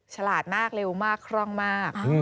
ฉลาดมากเร็วมากคร่องมาก